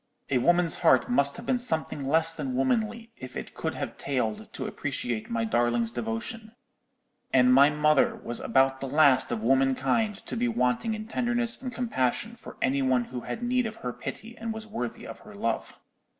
A woman's heart must have been something less than womanly if it could have failed to appreciate my darling's devotion: and my mother was about the last of womankind to be wanting in tenderness and compassion for any one who had need of her pity and was worthy of her love.